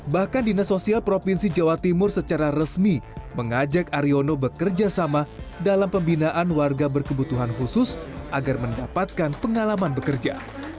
bahkan dinas sosial provinsi jawa timur secara resmi mengajak aryono bekerja sama dalam pembinaan warga berkebutuhan khusus agar mendapatkan pengalaman bekerja